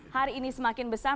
hari ini semakin besar